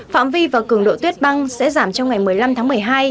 phạm vi và cường độ tuyết băng sẽ giảm trong ngày một mươi năm tháng một mươi hai